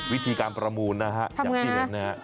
วิธีการประมูลนะครับอย่างที่เห็น